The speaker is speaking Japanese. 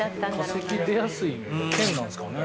化石出やすい県なんですかね。